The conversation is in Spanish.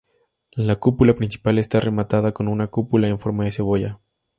La cúpula principal está rematada con una cúpula en forma de cebolla.